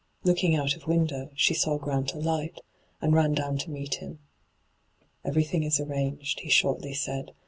Looking out of window, she saw Grant alight, and ran down to meet him. ' Everything is arranged,' he shortly said.